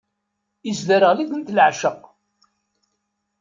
Isderɣel-itent leεceq.